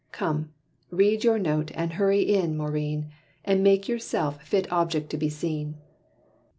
Come! read your note and hurry in, Maurine, And make yourself fit object to be seen."